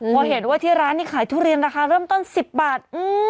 พอเห็นว่าที่ร้านนี้ขายทุเรียนราคาเริ่มต้น๑๐บาท